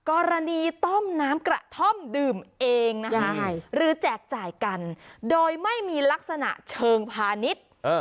กรณีต้มน้ำกระท่อมดื่มเองนะคะหรือแจกจ่ายกันโดยไม่มีลักษณะเชิงพาณิชย์